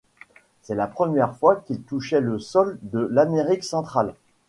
C'est la première fois qu'il touchait le sol de l’Amérique centrale.